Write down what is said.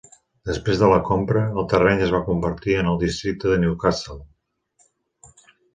Després de la compra, el terreny es va convertir en el districte de Newcastle.